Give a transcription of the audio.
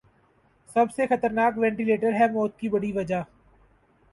سب سے خطرناک ونٹیلیٹر ہے موت کی بڑی وجہ ۔